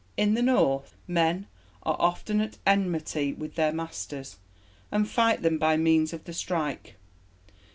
In the North men are often at enmity with their masters, and fight them by means of the strike.